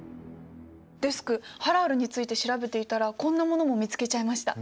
デスクハラールについて調べていたらこんなものも見つけちゃいました。